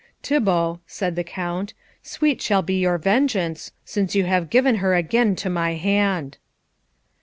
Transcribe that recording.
"Thibault," said the Count, "sweet shall be your vengeance, since you have given her again to my hand."